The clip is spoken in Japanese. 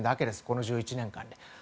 この１１年間で。